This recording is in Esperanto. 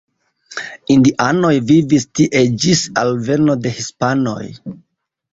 Indianoj vivis tie ĝis alveno de hispanoj.